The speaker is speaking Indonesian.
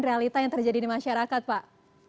realita yang terjadi di masyarakat pak